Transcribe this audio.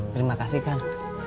terima kasih kang